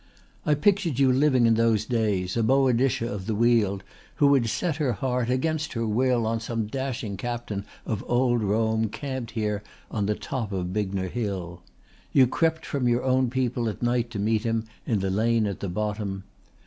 I pictured you living in those days, a Boadicea of the Weald who had set her heart, against her will, on some dashing captain of old Rome camped here on the top of Bignor Hill. You crept from your own people at night to meet him in the lane at the bottom.